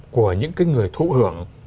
của những người thụ hưởng